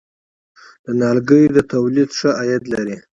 د نیالګیو تولید ښه عاید لري؟